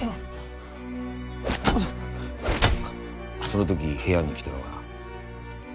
そのとき部屋に来たのが。